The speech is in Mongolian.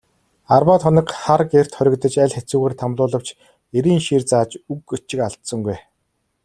Арваад хоног хар гэрт хоригдож, аль хэцүүгээр тамлуулавч эрийн шийр зааж үг өчиг алдсангүй.